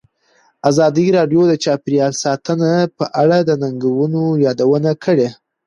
ازادي راډیو د چاپیریال ساتنه په اړه د ننګونو یادونه کړې.